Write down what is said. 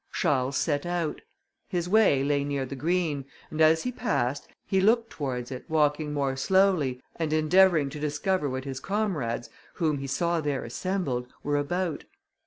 Charles set out. His way lay near the green, and as he passed, he looked towards it, walking more slowly, and endeavouring to discover what his comrades, whom he saw there assembled, were about.